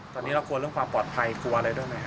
ตอนนี้เรากลัวเรื่องความปลอดภัยกลัวอะไรด้วยไหมครับ